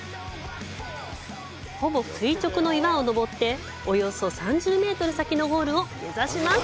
ほぼ垂直の岩を登って、およそ３０メートル先のゴールを目指します。